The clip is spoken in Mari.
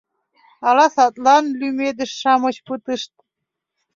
Ала садлан лӱмедыш-шамыч пытышт?